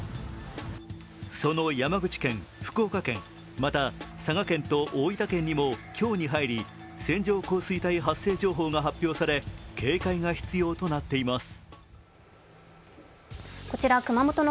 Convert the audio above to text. その山口県、福岡県、また、佐賀県と大分県にも今日に入り、線状降水帯発生情報が発表され警戒が必要となっています。